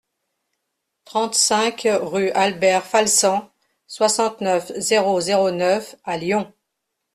trente-cinq rue Albert Falsan, soixante-neuf, zéro zéro neuf à Lyon